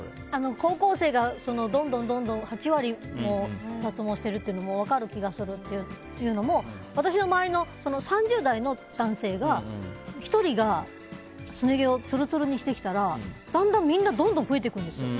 高校生がどんどん８割も脱毛してるというのも分かる気がするというのも私の周りの３０代の男性が１人がすね毛をつるつるにしてきたらだんだんみんな、どんどん増えていくんですよ。